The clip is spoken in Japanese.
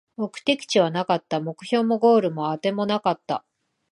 目的地はなかった、目標もゴールもあてもなかった